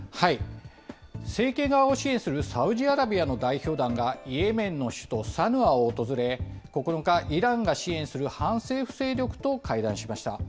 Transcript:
政権側を支援するサウジアラビアの代表団がイエメンの首都サヌアを訪れ、９日、イランが支援する反政府勢力と会談しました。